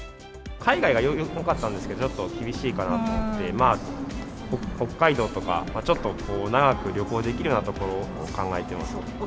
海外がよかったんですけど、ちょっと厳しいかなと思って、まあ、北海道とか、ちょっとこう、長く旅行できるような所を考えています。